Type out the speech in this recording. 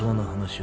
は？